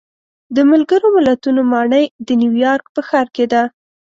د ملګرو ملتونو ماڼۍ د نیویارک په ښار کې ده.